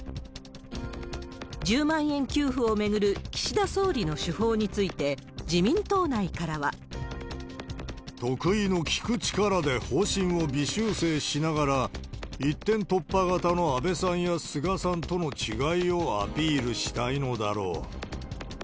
１０万円給付を巡る岸田総理の手法について、自民党内からは。得意の聞く力で方針を微修正しながら、一点突破型の安倍さんや菅さんとの違いをアピールしたいのだろう。